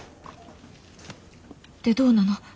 でどうなの？